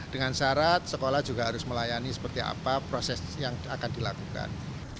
dengan syarat sekolah juga harus melayani seperti apa proses yang akan dilakukan